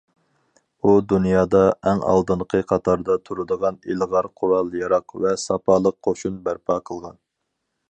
ئۇ دۇنيادا ئەڭ ئالدىنقى قاتاردا تۇرىدىغان ئىلغار قورال- ياراغ ۋە ساپالىق قوشۇن بەرپا قىلغان.